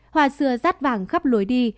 hoa xưa rát vàng khắp lối đi